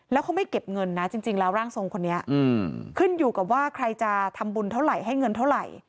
แล้วเขาไม่เก็บเงินนะจริงแล้วร่างทรงคนนี้ขึ้นอยู่กับว่าใครจะทำบุญเท่าไหร่ให้เงินเท่าไหร่